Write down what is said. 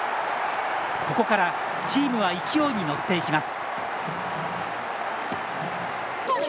ここからチームは勢いに乗っていきます。